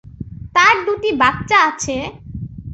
তার দুটি বাচ্চা আছে।